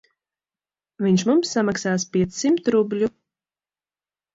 Viņš mums samaksās piecsimt rubļu.